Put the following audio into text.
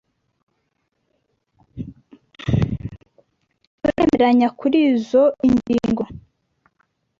Turemeranya kurizoi ngingo.